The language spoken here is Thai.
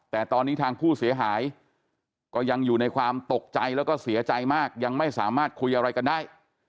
แต่ตอนนี้ทางผู้เสียหายก็ยังอยู่ในความตกใจแล้วก็เสียใจมากยังไม่สามารถคุยอะไรกันได้